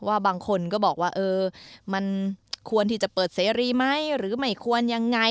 บางคนก็บอกว่าเออมันควรที่จะเปิดเสรีไหมหรือไม่ควรยังไง